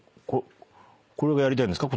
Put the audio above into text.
これがやりたいんですか？